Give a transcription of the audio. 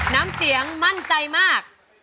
น้ำเสียงมั่นใจมาก